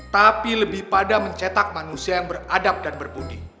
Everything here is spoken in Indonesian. tapi lebih pada mencetak manusia yang beradab dan berpundi